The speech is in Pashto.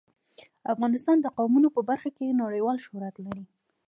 افغانستان د قومونه په برخه کې نړیوال شهرت لري.